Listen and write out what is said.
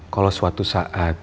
kalau suatu saat